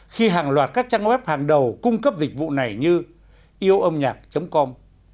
khi hàng loạt các trang web hàng đầu cung cấp dịch vụ này như yêuomnhạc com